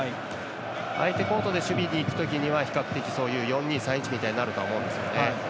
相手コートで守備にいくときは４‐２‐３‐１みたいになるとは思うんですよね。